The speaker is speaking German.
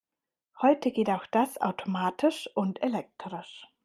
Heute geht auch das automatisch und elektrisch.